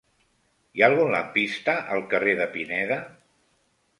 Hi ha algun lampista al carrer de Pineda?